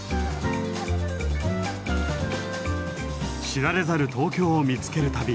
知られざる東京を見つける旅。